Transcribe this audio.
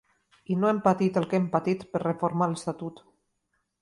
I no hem patit el que hem patit per reformar l’estatut.